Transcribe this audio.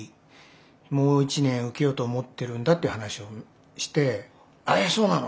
もう１年受けようと思ってるんだっていう話をしてえっそうなの？